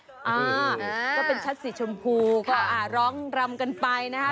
ก็เป็นชัดสีชมพูก็ร้องรำกันไปนะคะ